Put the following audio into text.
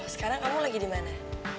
sekarang kamu lagi di mana